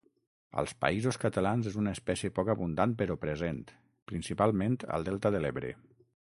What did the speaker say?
Als Països Catalans és una espècie poc abundant però present, principalment al delta de l'Ebre.